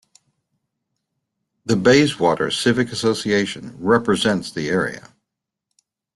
The Bayswater Civic Association represents the area.